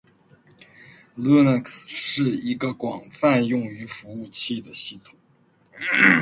Linux 是一个广泛用于服务器的系统